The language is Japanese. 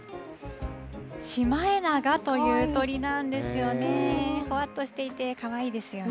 シマエナガという鳥なんですよね。